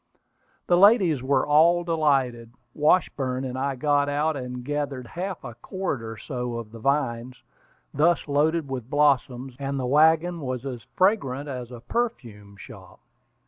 The ladies were all delighted. Washburn and I got out, and gathered half a cord or so of the vines, thus loaded with blossoms, and the wagon was as fragrant as a perfume shop.